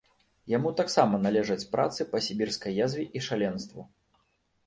Яму таксама належаць працы па сібірскай язве і шаленству.